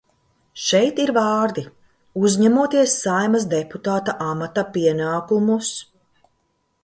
"Šeit ir vārdi "uzņemoties Saeimas deputāta amata pienākumus"."